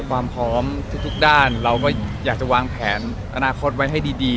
ความพร้อมทุกด้านเราก็อยากจะวางแผนอนาคตไว้ให้ดี